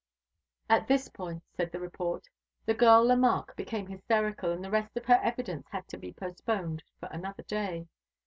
At this point, said the report, the girl Lemarque became hysterical, and the rest of her evidence had to be postponed for another day.